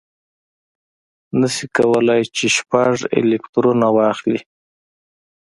نه شي کولای چې شپږ الکترونه واخلي.